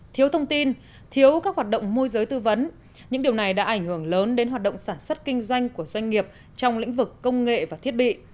thiếu thông tin thiếu các hoạt động môi giới tư vấn những điều này đã ảnh hưởng lớn đến hoạt động sản xuất kinh doanh của doanh nghiệp trong lĩnh vực công nghệ và thiết bị